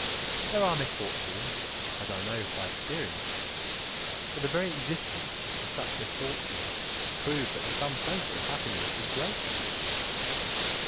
There are misfortunes, as I know by experience; but the very existence of such misfortunes proves that the sum total of happiness is greater.